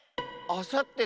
あさって？